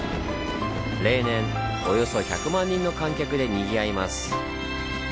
例年およそ１００万人の観客でにぎわいます。